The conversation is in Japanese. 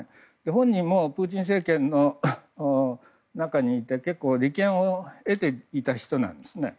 本人もプーチン政権の中にいて結構、利権を得ていた人なんですね。